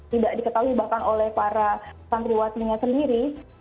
tidak diketahui bahkan oleh para santriwatinya sendiri